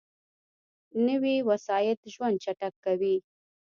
نوې وسایط ژوند چټک کوي